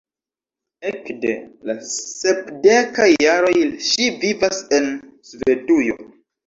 Ekde la sepdekaj jaroj ŝi vivas en Svedujo.